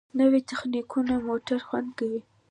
نوې تخنیکونه موټر خوندي کوي.